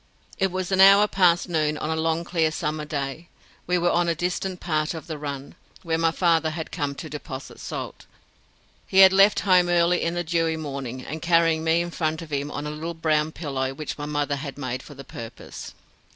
It was an hour past noon on a long clear summer day. We were on a distant part of the run, where my father had come to deposit salt. He had left home early in the dewy morning, carrying me in front of him on a little brown pillow which my mother had made for the purpose.